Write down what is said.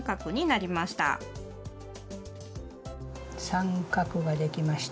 三角ができました。